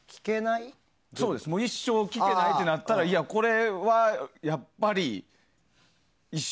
もう一生聴けないってなったらこれはやっぱり一生。